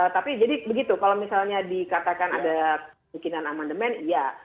tapi jadi begitu kalau misalnya dikatakan ada kemungkinan amandemen ya